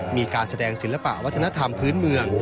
มีการแสดงศิลปะวัฒนธรรมพื้นเมือง